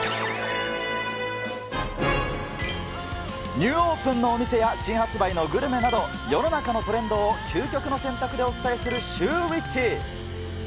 ニューオープンのお店や新発売のグルメなど、世の中のトレンドを究極の選択でお伝えするシューＷｈｉｃｈ。